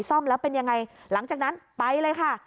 ซ่อมแล้วเป็นยังไงหลังจากนั้นไปเลยค่ะ